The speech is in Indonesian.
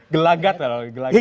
gelagat kalau gelagat